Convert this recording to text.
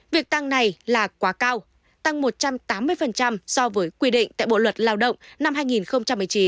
việc tăng này là quá cao tăng một trăm tám mươi so với quy định tại bộ luật lao động năm hai nghìn một mươi chín